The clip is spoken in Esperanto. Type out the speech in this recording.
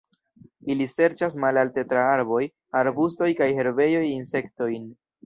Ili serĉas malalte tra arboj, arbustoj kaj herbejoj insektojn.